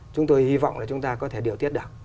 chúng tôi hy vọng là chúng ta có thể điều tiết được